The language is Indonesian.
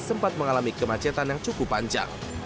sempat mengalami kemacetan yang cukup panjang